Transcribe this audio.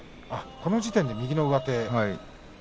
この時点で右の上手。